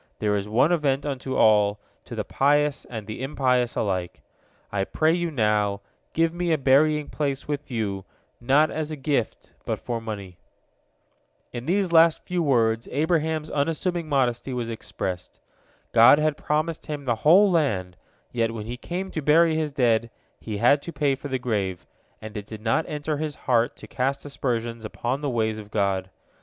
There is one event unto all, to the pious and the impious alike. I pray you now, give me a burying place with you, not as a gift, but for money." In these last few words Abraham's unassuming modesty was expressed. God had promised him the whole land, yet when he came to bury his dead, he had to pay for the grave, and it did not enter his heart to cast aspersions upon the ways of God.